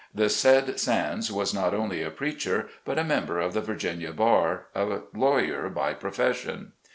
The said Sands was not only a preacher but a member of the Virginia Bar, a lawyer by pro fession.